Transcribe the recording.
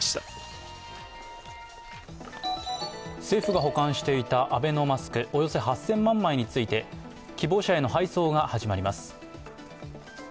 政府が保管していたアベノマスク、およそ８０００万枚について希望者への配送が始まります。